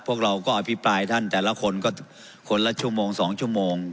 พวกเราก็อภิปรายท่านแต่ละคนก็คนละชั่วโมง๒ชั่วโมง